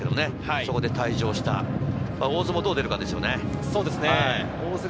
そこで退場した、大津もどう出るかですね。